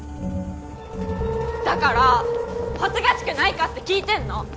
だから恥ずかしくないかって聞いてんの！